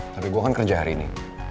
tapi gue kan kerja hari ini